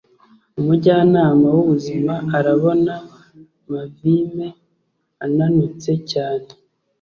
umujyanama w'ubuzima arabona mavime ananutse cyane